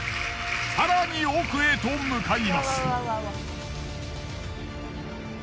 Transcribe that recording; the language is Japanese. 更に奥へと向かいます。